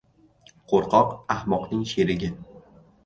• Qo‘rqoq — ahmoqning sherigi.